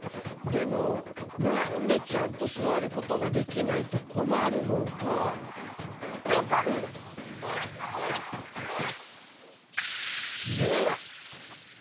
でもなんでちゃんとすわることができないとこまるのかわかる？では。